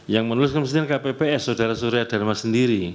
yang menuliskan presiden kpps saudara surya dharma sendiri